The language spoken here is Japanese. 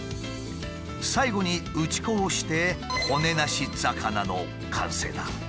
最後に打ち粉をして骨なし魚の完成だ。